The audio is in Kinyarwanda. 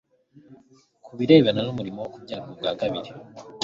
Ku birebana n'umurimo wo kubyarwa ubwa kabiri,